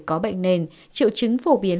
có bệnh nền triệu chứng phổ biến